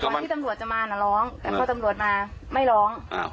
ที่ตำรวจจะมาน่ะร้องแต่พอตำรวจมาไม่ร้อง